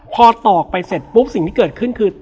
พอตอกไปเสร็จปุ๊บสิ่งที่เกิดขึ้นคือ